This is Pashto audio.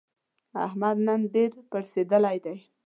احمد نن ډېر پړسېدلی دی.